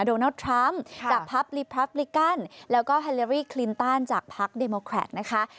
โดนัลด์ทรัมป์กับพัพรีปรับลิกัลแล้วก็ฮาเลรี่คลินตันจากภาคเดมอคแคร์ตนะคะ